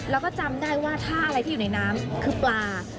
แล้วก็จำได้ว่าถ้าอะไรที่อยู่ในน้ำคือปลา